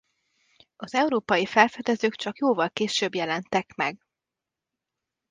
Az európai felfedezők csak jóval később jelentek meg.